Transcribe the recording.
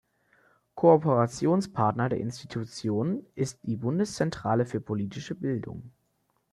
Kooperationspartner der Institution ist die Bundeszentrale für politische Bildung.